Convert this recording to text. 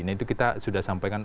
nah itu kita sudah sampaikan